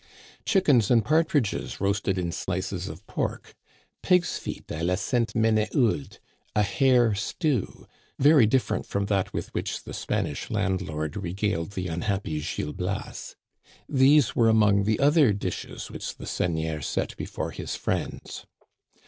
Chickens and partridges roasted in slices of pork, pigs feet à la Sainte M énéhouldy a hare stew, very differ ent from that with which the Spanish landlord regaled the unhappy Gil Bias — these were among the other dishes which the seigneur set before his friends.